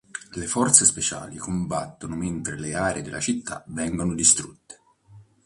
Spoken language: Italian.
Le forze speciali combattono mentre le aree della città vengono distrutte.